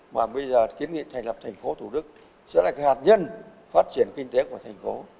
mà bây giờ kiến nghị thành lập thành phố thủ đức sẽ là cái hạt nhân phát triển kinh tế của thành phố